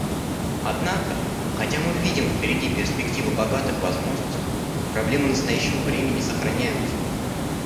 Однако хотя мы видим впереди перспективы богатых возможностей, проблемы настоящего времени сохраняются.